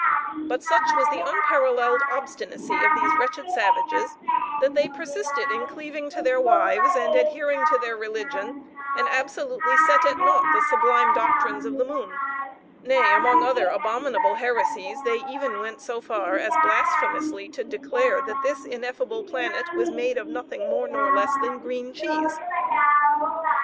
But such was the unparalleled obstinacy of these wretched savages that they persisted in cleaving to their wives, and adhering to their religion, and absolutely set at nought the sublime doctrines of the moon nay, among other abominable heresies they even went so far as blasphemously to declare that this ineffable planet was made of nothing more nor less than green cheese!"